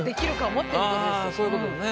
そういうことね。